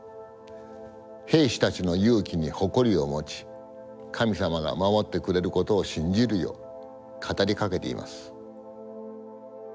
兵士たちの勇気に誇りを持ち神様が守ってくれることを信じるよう語りかけています。